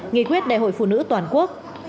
nghị quyết đại hội phụ nữ toàn quốc